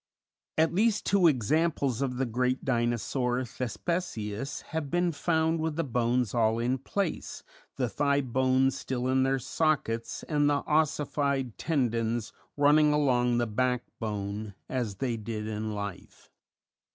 At least two examples of the great Dinosaur Thespesius have been found with the bones all in place, the thigh bones still in their sockets and the ossified tendons running along the backbone as they did in life.